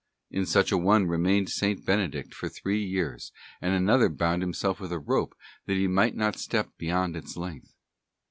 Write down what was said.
In such an one remained S. Benedict for three years, and another _ bound himself with a rope that he might not step beyond its length.